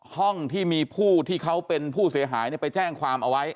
ห้องที่มีผู้ที่เขาเป็นผู้เสียหายไปแจ้งความเอาไว้